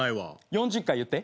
４０回言って。